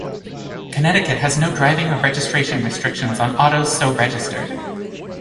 Connecticut has no driving or registration restrictions on autos so registered.